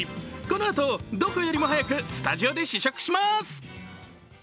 このあと、どこよりも早くスタジオで試食します。